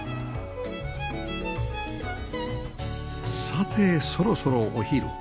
さてそろそろお昼